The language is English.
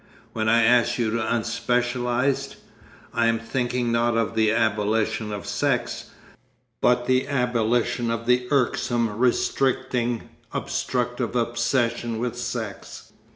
'When I ask you to unspecialise, I am thinking not of the abolition of sex, but the abolition of the irksome, restricting, obstructive obsession with sex.